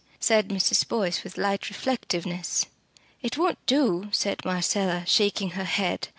said Mrs. Boyce with light reflectiveness. "It won't do," said Marcella, shaking her head.